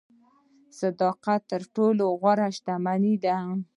صداقت تر ټولو غوره شتمني ده.